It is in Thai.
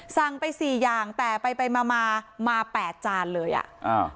สั่งไปสี่อย่างแต่ไปไปมามาแปดจานเลยอ่ะอ่า